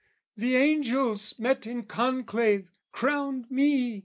"'The angels, met in conclave, crowned me!'